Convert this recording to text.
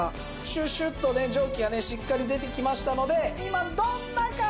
シュシュッとね蒸気がねしっかり出てきましたので今どんな感じ？